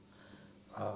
ああ。